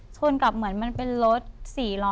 กับเหมือนมันเป็นรถ๔ล้อ